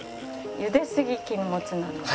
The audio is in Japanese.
ゆですぎ禁物なので。